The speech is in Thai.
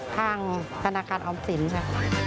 ทางธนาคารออมสินค่ะ